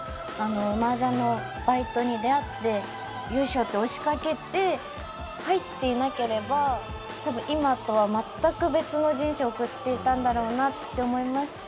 麻雀のバイトに出会ってよいしょって押しかけて入っていなければ多分今とは全く別の人生を送っていたんだろうなって思いますし。